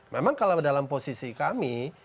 memang kalau dalam posisi kami